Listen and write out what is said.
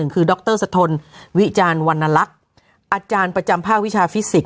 คือดรสะทนวิจารณ์วรรณลักษณ์อาจารย์ประจำภาควิชาฟิสิกส